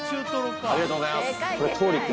ありがとうございます！